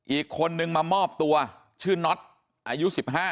อีกคนนึงมามอบตัวชื่อน็อตอายุ๑๕